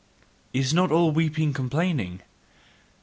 "Is not all weeping complaining?